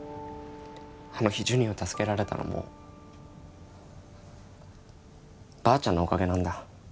あの日ジュニを助けられたのもばあちゃんのおかげなんだ。